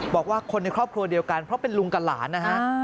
บอกว่าคนในครอบครัวเดียวกันเพราะเป็นลุงกับหลานนะฮะ